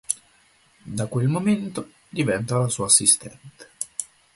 Da quel momento, diventa la sua assistente.